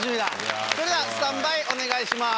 それではスタンバイお願いします！